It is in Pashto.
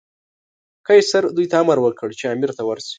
قیصر دوی ته امر وکړ چې امیر ته ورسي.